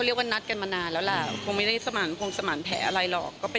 แล้วก็คงไม่ได้บอกว่าต้องปรับอะไร